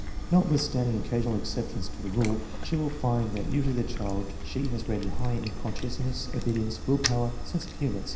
Notwithstanding occasional exceptions to the rule, she will find that usually the child she has rated high in conscientiousness, obedience, will power, sense of humor, etc.